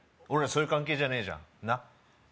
俺らそういう関係じゃねえじゃんなっ